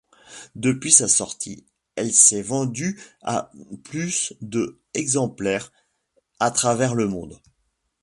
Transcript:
Depuis sa sortie, elle s’est vendue à plus de exemplaires à travers le monde.